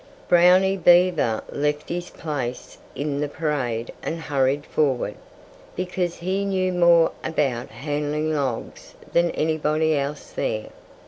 Brownie Beaver left his place in the parade and hurried forward, because he knew more about handling logs than anybody else there.